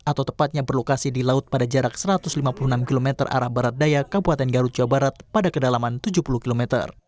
atau tepatnya berlokasi di laut pada jarak satu ratus lima puluh enam km arah barat daya kabupaten garut jawa barat pada kedalaman tujuh puluh km